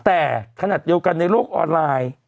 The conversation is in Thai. แต่ขนาดเดียวกันในโลกออนไลน์